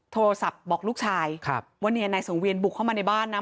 โทรศัพท์บอกลูกชายว่าเนี่ยนายสังเวียนบุกเข้ามาในบ้านนะ